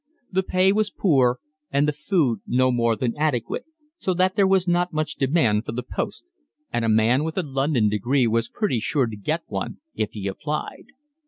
The pay was poor and the food no more than adequate, so that there was not much demand for the posts, and a man with a London degree was pretty sure to get one if he applied.